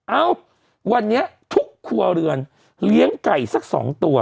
เอ้าวันนี้ทุกครัวเรือนเลี้ยงไก่สัก๒ตัว